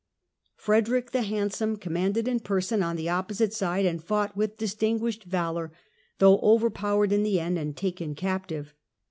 Frederick the Handsome commanded in person on the opposite side, and fought with distinguished valour, though he was over powered in the end and taken captive.